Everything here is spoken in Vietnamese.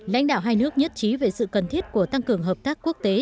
lãnh đạo hai nước nhất trí về sự cần thiết của tăng cường hợp tác quốc tế